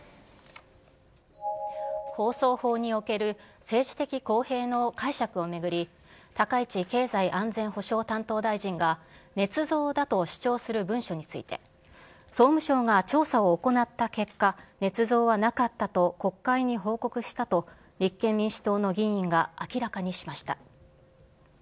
放送法における政治的公平の解釈を巡り、高市経済安全保障担当大臣が、ねつ造だと主張する文書について、総務省が調査を行った結果、ねつ造はなかったと国会に報告したと、立憲民主党の議員が明らかにしました。